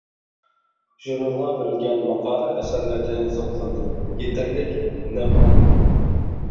ژۇرنالغا بېرىلگەن ماقالە-ئەسەرلەردىن زوقلاندىم، يېتەرلىك نەپ ئالدىم.